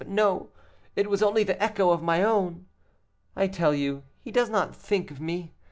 But no, it was only the echo of my own. I tell you he does not think of me.